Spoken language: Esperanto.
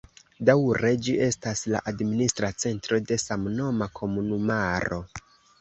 Daŭre ĝi estas la administra centro de samnoma komunumaro.